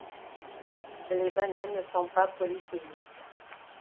Les Banen ne sont pas polythéistes.